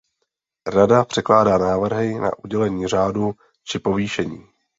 Rada předkládá návrhy na udělení řádu či povýšení.